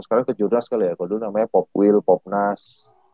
sekarang ikut juras kali ya kalo dulu namanya popwil popnas